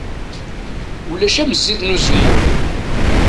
Ulac am zzit n uzemmur.